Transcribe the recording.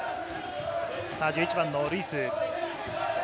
１１番のルイス。